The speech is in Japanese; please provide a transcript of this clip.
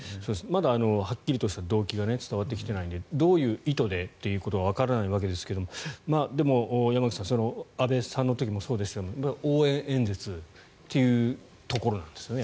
まだはっきりとした動機が伝わってきてないのでどういう意図でということはわからないわけですがでも、山口さん安倍さんの時もそうでしたが応援演説というところなんですよね。